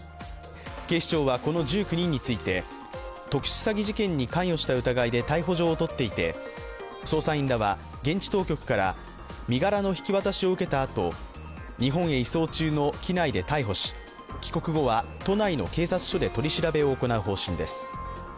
警視庁はこの１９人について特殊詐欺事件に関与した疑いで逮捕状を取っていて捜査員らは現地当局から身柄の引き渡しを受けたあと、日本へ移送中の機内で逮捕し、帰国後は都内の警察署で取り調べを行う方針です。